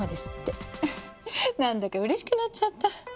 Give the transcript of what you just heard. なんだか嬉しくなっちゃった。